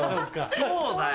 そうだよ。